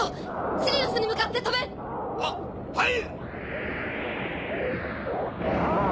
シリウスに向かって飛べ！ははい！